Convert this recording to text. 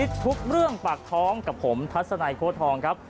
ทุกเรื่องปากท้องกับผมทัศนัยโค้ดทองครับ